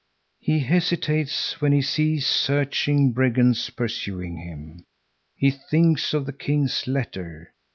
He hesitates when he sees searching brigands pursuing him. He thinks of the king's letter.